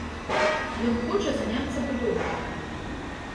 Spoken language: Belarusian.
Ён хоча заняцца будоўляй.